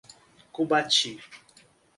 Cubati